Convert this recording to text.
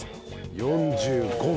４５分。